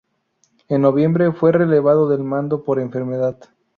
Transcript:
En noviembre fue relevado del mando por enfermedad.